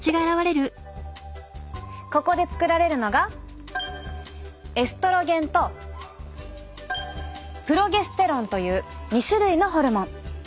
ここで作られるのがエストロゲンとプロゲステロンという２種類のホルモン。